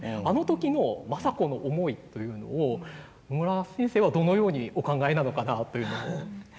あの時の政子の思いというのを野村先生はどのようにお考えなのかなというのを。